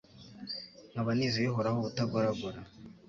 nkaba nizeye Uhoraho ubutagoragora